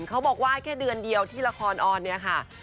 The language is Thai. เขาบอกว่าแค่เดือนเดียวที่ละครออนเนี่ยค่ะ